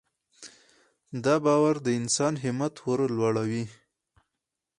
دا باور د انسان همت ورلوړوي.